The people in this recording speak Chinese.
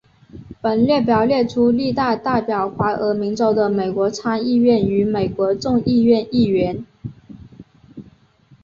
本列表列出历任代表怀俄明州的美国参议院与美国众议院议员。